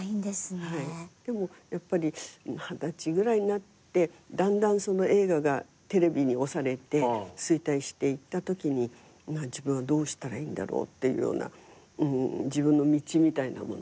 でも二十歳ぐらいになってだんだん映画がテレビに押されて衰退していったときに自分はどうしたらいいんだろうっていうような自分の道みたいなものをね。